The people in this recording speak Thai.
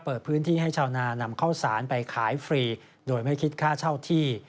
เปิดพื้นที่ให้ชาวนานำข้าวสารไปขายฟรีโดยไม่คิดค่าเช่าที่